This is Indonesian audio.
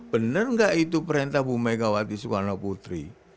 bener gak itu perintah bu mega waktu sukarno putri